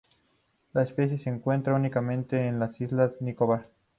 La especie se encuentra únicamente en las islas Nicobar.